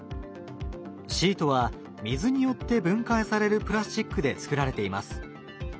シートは水によって分解されるプラスチックで作られています。